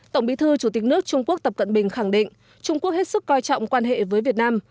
tổng bí thư chủ tịch nước trung quốc tập cận bình khẳng định trung quốc hết sức coi trọng quan hệ với việt nam